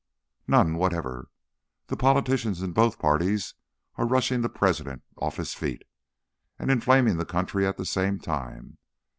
"None whatever. The politicians in both parties are rushing the President off his feet and inflaming the country at the same time.